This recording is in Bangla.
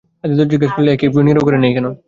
আদিত্য জিজ্ঞাসা করলে, এ কী, নীরু ঘরে নেই কেন।